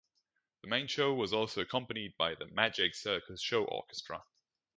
The main show was also accompanied by the "Magic Circus Show Orchestra".